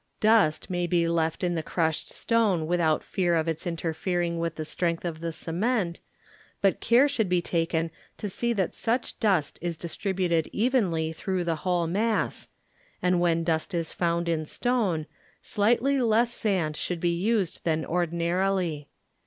Dust may be left in the ertished stone without fear of its inter fering with the strength of the cement, but care should be taken to see that such dust is distributed evenly through the whole mass, and when dust is found in stone, slightly less sand should be used than ordinarily.